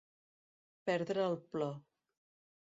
Perdre el plor.